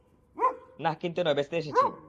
নাহ, কিনতে নয়, বেচতে এসেছি।